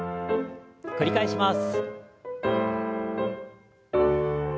繰り返します。